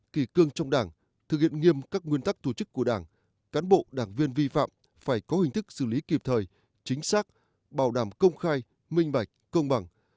kỳ cương trong đảng thực hiện nghiêm các nguyên tắc tổ chức của đảng cán bộ đảng viên vi phạm phải có hình thức xử lý kịp thời chính xác bảo đảm công khai minh bạch công bằng